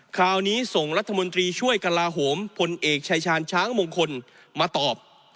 คราวนี้ส่งรัฐมนตรีช่วยกลาโหมพลเอกชายชาญช้างมงคลมาตอบ